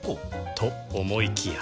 と思いきや